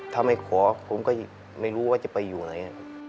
ถ้าไม่ขอผมก็ไม่รู้ว่าจะไปอยู่ไหน